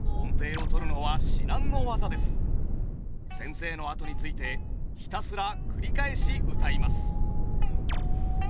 先生のあとについてひたすら繰り返しうたいます。